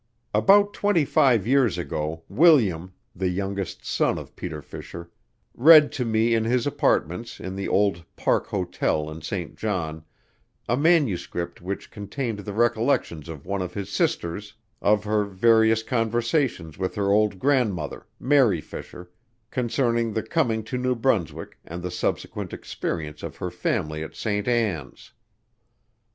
About twenty five years ago William, the youngest son of Peter Fisher, read to me in his apartments in the old Park Hotel, in St. John, a manuscript which contained the recollections of one of his sisters of her various conversations with her old grandmother, Mary Fisher, concerning the coming to New Brunswick and the subsequent experience of her family at St. Ann's.